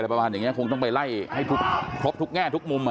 ประมาณอย่างนี้คงต้องไปไล่ให้ครบทุกแง่ทุกมุม